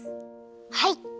はい。